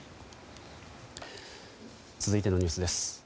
続いてのニュースです。